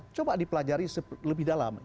coba dipelajari lebih dalam